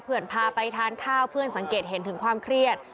เพื่อนพาไปทานข้าวเพื่อนสังเกตเห็นถึงความเครียด